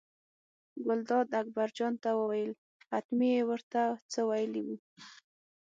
ګلداد اکبرجان ته وویل حتمي یې ور ته څه ویلي وو.